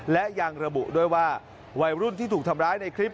และยังระบุด้วยว่าวัยรุ่นที่ถูกทำร้ายในคลิป